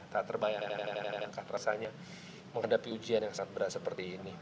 tak terbayangkan rasanya menghadapi ujian yang sangat berat seperti ini